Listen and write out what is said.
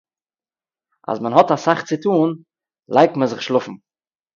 אַז מען האָט אַ סך צו טאָן, לייגט מען זיך שלאָפֿן.